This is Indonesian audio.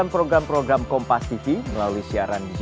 prabowo mau ke partai nasdem